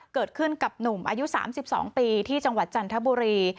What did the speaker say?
เกิดขึ้นกับหนุ่มอายุ๓๒ปีที่จังหวัดจันทบุรี